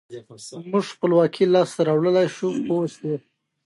موږ خپلواکي لاسته راوړلای شو پوه شوې!.